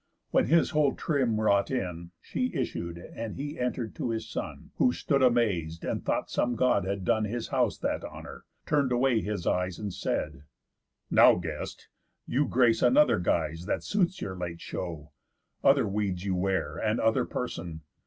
When his whole trim wrought in, She issued, and he enter'd to his son, Who stood amaz'd, and thought some God had done His house that honour, turn'd away his eyes, And said; "Now guest, you grace another guise Than suits your late show. Other weeds you wear, And other person.